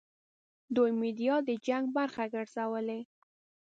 دوی میډیا د جنګ برخه ګرځولې.